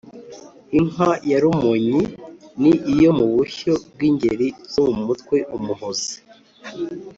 inka ya rumonyi: ni iyo mubushyo bw’ingeri zo mu mutwe” umuhozi”